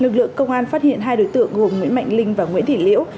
lực lượng công an phát hiện hai đối tượng gồm nguyễn mạnh linh và nguyễn thị liễu